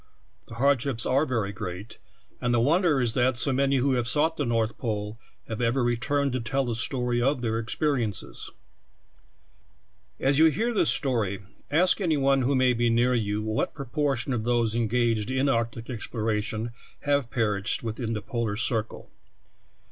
The hardships are ver}^ great, and the wonder is that so many who ha^^e sought the North Pole have ever returned to tell the story of their experiences. As you read this story, ask any one who may be near you what proportion of those engaged in arc tic exploration have perished within the polar cir cle.